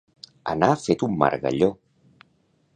Anar fet un margalló.